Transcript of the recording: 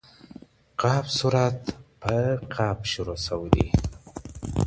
ق سورت په{ق} شروع سوی دی.